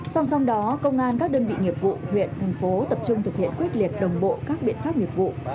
song song đó công an các đơn vị nghiệp vụ huyện thành phố tập trung thực hiện quyết liệt đồng bộ các biện pháp nghiệp vụ